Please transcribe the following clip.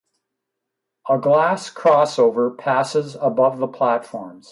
A glass crossover passes above the platforms.